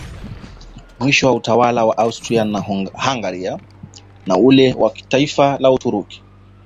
Mwisho wa utawala wa Austria naHungaria na wa ule wa taifa la Uturuki